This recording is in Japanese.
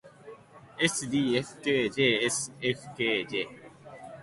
ｓｄｆｋｊｓｆｋｊ